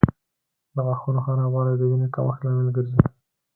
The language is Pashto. د غاښونو خرابوالی د وینې کمښت لامل ګرځي.